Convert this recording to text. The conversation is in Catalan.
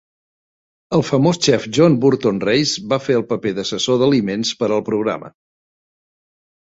El famós xef John Burton-Race va fer el paper d'assessor d'aliments per al programa.